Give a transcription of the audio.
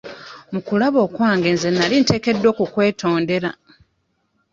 Mu kulaba okwange nze nali nteekeddwa okukwetondera.